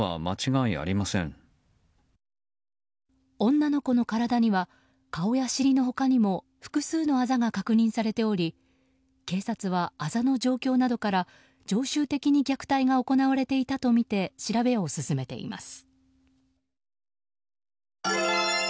女の子の体には顔や尻の他にも複数のあざが確認されており警察は、あざの状況などから常習的に虐待が行われていたとみて調べを進めています。